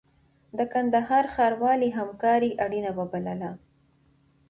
د کندهار ښاروالۍ همکاري اړینه وبلله.